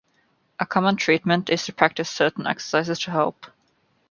A common treatment is to practice certain exercises to help.